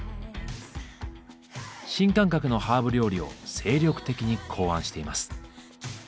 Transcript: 新感覚のハーブ料理を精力的に考案しています。